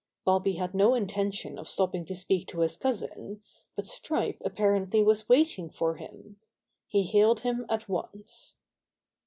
Bobby had no intention of stopping to speak to his cousin, but Stripe ap parently was waiting for him. He hailed him at once.